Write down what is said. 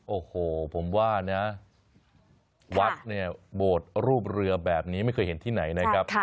โอ้โหผมว่านะวัดเนี่ยโบสถ์รูปเรือแบบนี้ไม่เคยเห็นที่ไหนนะครับ